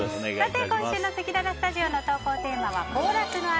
今週のせきららスタジオの投稿テーマは行楽の秋！